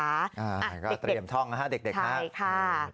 ใช่ก็เตรียมท่องนะฮะเด็กนะใช่ค่ะ